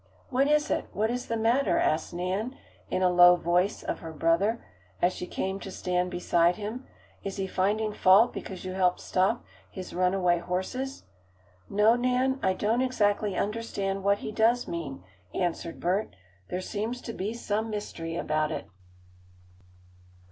"What is it? What is the matter?" asked Nan, in a low voice of her brother, as she came to stand beside him. "Is he finding fault because you helped stop his runaway horses?" "No, Nan. I don't exactly understand what he does mean," answered Bert. "There seems to be some mystery about it."